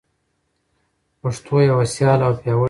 پښتو یوه سیاله او پیاوړي ژبه ده.